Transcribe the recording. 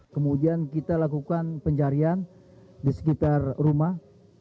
kemudian kita lakukan pencarian di sekitar rumah